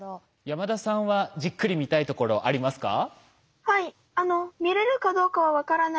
山田さんはじっくり見たいところありますか？